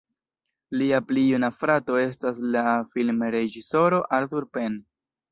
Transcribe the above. Lia pli juna frato estas la filmreĝisoro Arthur Penn.